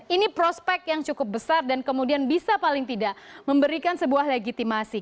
ini prospek yang cukup besar dan kemudian bisa paling tidak memberikan sebuah legitimasi